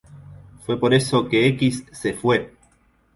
Fue por eso que X se fue.